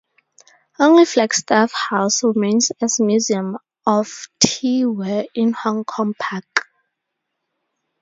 Only Flagstaff House remains as Museum of Tea Ware in Hong Kong Park.